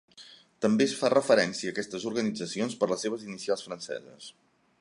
També es fa referència a aquestes organitzacions per les seves inicials franceses.